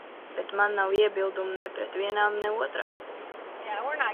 Bet man nav iebildumu ne pret vienām, ne otrām.